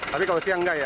tapi kalau siang tidak ya